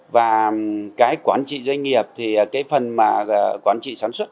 và cái quản trị doanh nghiệp thì cái phần mà quản trị sản xuất